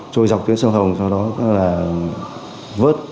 trôi dọc tiến sông hồng sau đó vớt